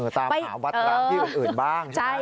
ตามหาวัดร้างที่อื่นบ้างใช่ไหม